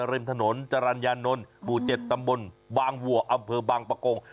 เร็มถนนจรัญญานนท์บู๋เจ็ดตำบลบางบวะอำเภอบางประโกง